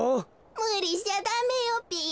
むりしちゃダメよべ。